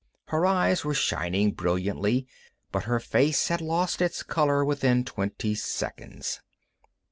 Her eyes were shining brilliantly, but her face had lost its color within twenty seconds.